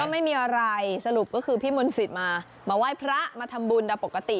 ไม่มีอะไรสรุปก็คือพี่มนต์สิทธิ์มามาไหว้พระมาทำบุญตามปกติ